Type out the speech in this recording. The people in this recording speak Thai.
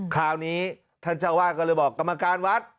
คราวนี้ท่านเจ้าวาดก็เลยบอกกรรมการวัด